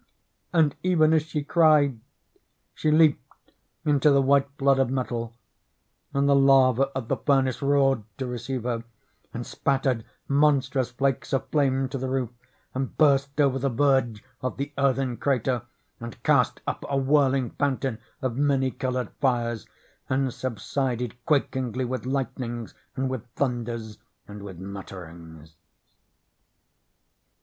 And even as she cried, she leaped into the white flood of metal ; and the lava of the furnace roared to receive her, and spattered monstrous flakes of flame to the roof, and burst over the verge of the earthen crater, and cast up a whirling fountain of many colored fires, and subsided quakingly with lightnings and with thunders and with mutterings.